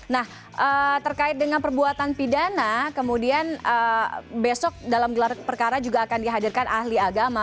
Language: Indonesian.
nah terkait dengan perbuatan pidana kemudian besok dalam gelar perkara juga akan dihadirkan ahli agama